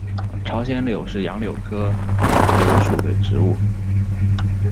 朝鲜柳是杨柳科柳属的植物。